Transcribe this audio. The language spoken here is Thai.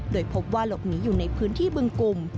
โดยพบว่าหลบหนีอยู่ในพื้นที่บึงกลุ่ม